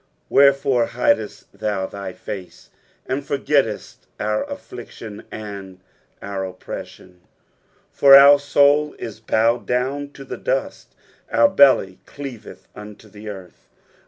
24. Wherefore hidest thou thy face, anii forgettest our afRiction atid our oppression P 25 For our soul is bowed down to the dust : our belly cleaveth unto the earth.